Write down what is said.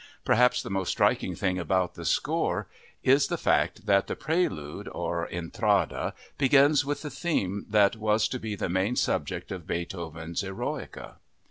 Perhaps the most striking thing about the score is the fact that the prelude, or intrada, begins with the theme that was to be the main subject of Beethoven's Eroica.